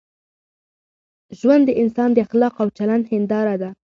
ژوند د انسان د اخلاقو او چلند هنداره ده.